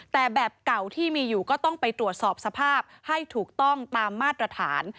แต่แบบเก่าที่มีอยู่ก็ต้องไปตรวจสอบสภาพให้ถูกต้องตามมาตรฐาน